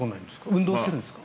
運動してるんですか？